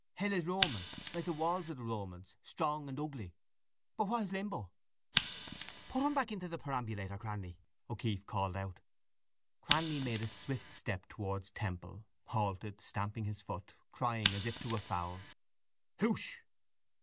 Hell is Roman, like the walls of the Romans, strong and ugly. But what is limbo? —Put him back into the perambulator, Cranly, O'Keeffe called out. Cranly made a swift step towards Temple, halted, stamping his foot, crying as if to a fowl: —Hoosh!